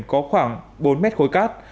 có khoảng bốn m khối cát